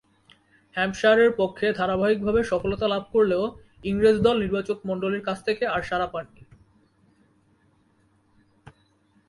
হ্যাম্পশায়ারের পক্ষে ধারাবাহিকভাবে সফলতা লাভ করলেও ইংরেজ দল নির্বাচকমণ্ডলীর কাছ থেকে আর সাড়া পাননি।